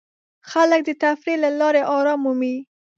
خلک د تفریح له لارې آرام مومي.